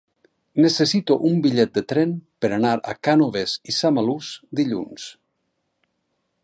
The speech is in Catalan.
Necessito un bitllet de tren per anar a Cànoves i Samalús dilluns.